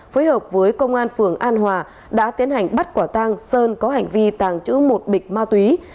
phối hợp với công an phường an hòa đã tiến hành bắt quả tang sơn có hành vi tàng trữ một bịch ma túy